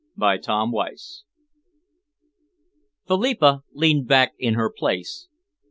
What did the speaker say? CHAPTER XIII Philippa leaned back in her place.